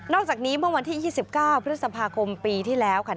อกจากนี้เมื่อวันที่๒๙พฤษภาคมปีที่แล้วค่ะ